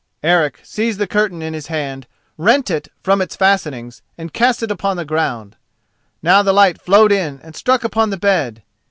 Eric seized the curtain in his hand, rent it from its fastenings, and cast it on the ground. Now the light flowed in and struck upon the bed.